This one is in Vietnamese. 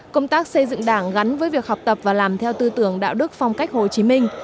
công tác xây dựng đảng gắn với việc học tập và làm theo tư tưởng đạo đức phong cách hồ chí minh